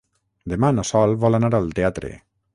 Demà na Sol vol anar al teatre.